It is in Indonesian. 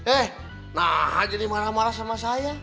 eh nah jadi marah marah sama saya